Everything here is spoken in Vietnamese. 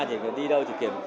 thì đi đâu thì kiểm